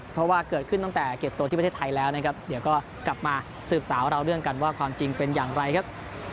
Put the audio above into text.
เพราะว่าเกิดขึ้นตั้งแต่เก็บตัวที่ประเทศไทยแล้วนะครับเดี๋ยวก็กลับมาสืบสาวเราเรื่องกันว่าความจริงเป็นอย่างไรครับ